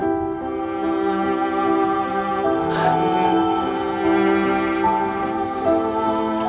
lantan aku loh mas